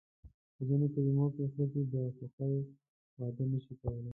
په ځینو کلیو کې ښځې د خوښې واده نه شي کولی.